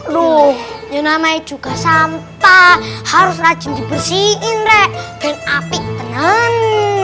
loh namanya juga sampah harus rajin dibersihin rek dan api tenen